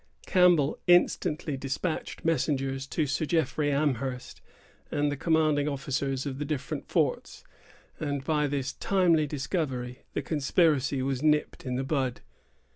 Campbell instantly despatched messengers to Sir Jeffrey Amherst, and the commanding officers of the different forts; and, by this timely discovery, the conspiracy was nipped in the bud.